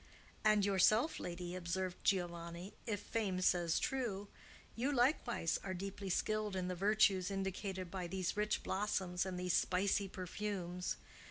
"And yourself, lady," observed Giovanni, "if fame says true,—you likewise are deeply skilled in the virtues indicated by these rich blossoms and these spicy perfumes.